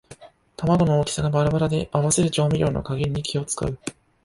玉子の大きさがバラバラで合わせる調味料の加減に気をつかう